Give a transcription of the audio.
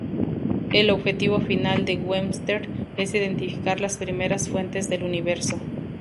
El objetivo final de Webster es identificar las primeras fuentes del universo.